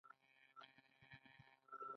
مصنوعي ځیرکتیا د سرچینو کارونه اغېزمنوي.